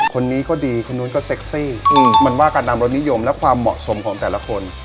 คนนี้ก็ดีคนนู้นก็เซ็กซี่มันว่ากันตามรสนิยมและความเหมาะสมของแต่ละคน